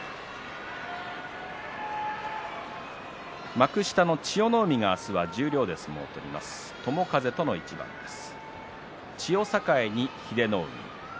幕下の千代の海が十両で相撲を取ります、友風との一番です。